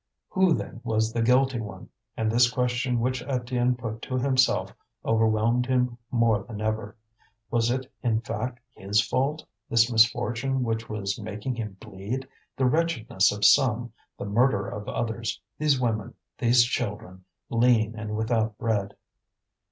Who then was the guilty one? And this question which Étienne put to himself overwhelmed him more than ever. Was it in fact his fault, this misfortune which was making him bleed, the wretchedness of some, the murder of others, these women, these children, lean, and without bread?